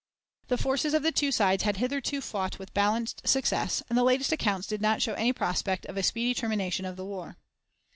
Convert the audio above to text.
The forces of the two sides had hitherto fought with balanced success, and the latest accounts did not show any prospect of a speedy termination of the war.